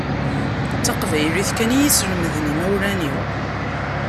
D taqbaylit kan i yi-islemden imawlan-iw.